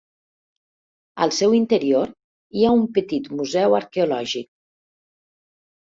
Al seu interior hi ha un petit museu arqueològic.